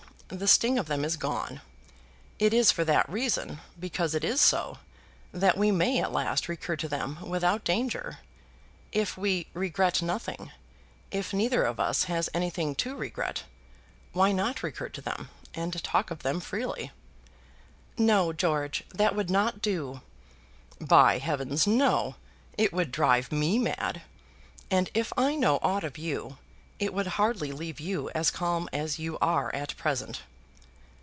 The sting of them is gone. It is for that reason, because it is so, that we may at last recur to them without danger. If we regret nothing, if neither of us has anything to regret, why not recur to them, and talk of them freely?" "No, George; that would not do." "By heavens, no! It would drive me mad; and if I know aught of you, it would hardly leave you as calm as you are at present."